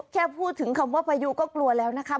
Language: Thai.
แค่พูดถึงคำว่าพายุก็กลัวแล้วนะคะ